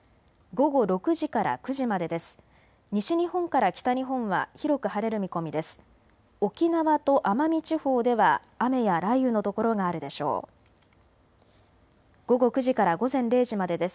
午後９時から午前０時までです。